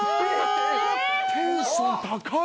テンション高い。